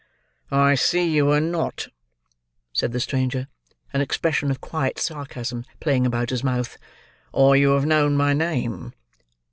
"I see you were not," said the stranger; an expression of quiet sarcasm playing about his mouth; "or you have known my name.